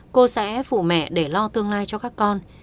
cô sẽ phụ mẹ để lo tương lai cho các con